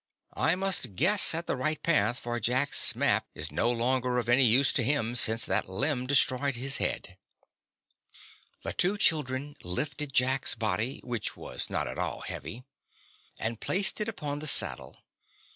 I must guess at the right path, for Jack's map is no longer of any use to him since that limb destroyed his head." The two children lifted Jack's body, which was not at all heavy, and placed it upon the saddle.